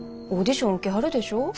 オーディション受けはるでしょ？